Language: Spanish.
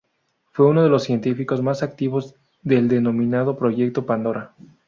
Fue uno de los científicos más activos del denominado "Proyecto Pandora".